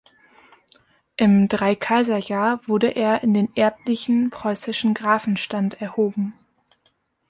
Im Dreikaiserjahr wurde er in den erblichen preußischen Grafenstand erhoben.